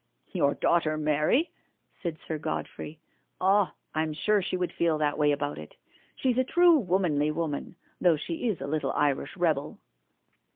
•• Your daughter, Mary?" said Sir Godfrey. Ah, I'm sure she would feel that way about it. She's a true womanly woman, though she is a little Irish rebel.'